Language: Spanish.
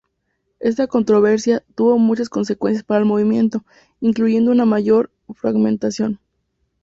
Esta controversia tuvo muchas consecuencias para el movimiento, incluyendo una mayor fragmentación.